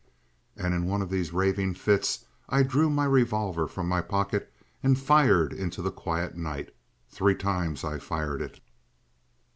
And in one of these raving fits I drew my revolver from my pocket and fired into the quiet night. Three times I fired it.